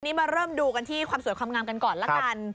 นี่มาเริ่มดูกันที่ความสวยความงามกันก่อนละกัน